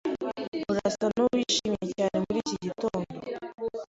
Urasa nuwishimye cyane muri iki gitondo.